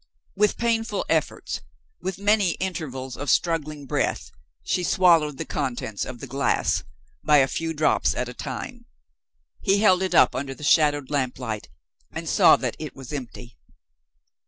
With painful efforts, with many intervals of struggling breath, she swallowed the contents of the glass, by a few drops at a time. He held it up under the shadowed lamplight, and saw that it was empty.